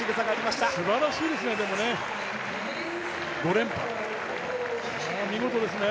すばらしいですね。